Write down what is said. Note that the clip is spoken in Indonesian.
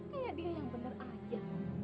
kayak dia yang bener aja